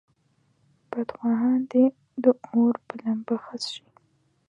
بدخواهان دې د اور په لمبه خس شي.